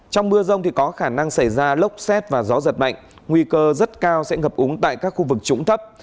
trong mưa rông thì có khả năng xảy ra lốc xét và gió giật mạnh nguy cơ rất cao sẽ ngập úng tại các khu vực trũng thấp